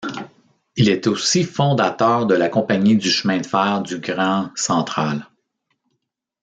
Il est aussi fondateur de la Compagnie du chemin de fer du Grand Central.